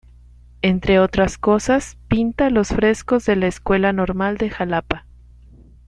Entre otras cosas pinta los frescos de la Escuela Normal de Jalapa.